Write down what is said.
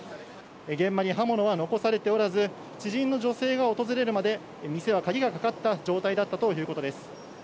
現場に刃物は残されておらず、知人の女性が訪れるまで、店は鍵がかかった状態だったということです。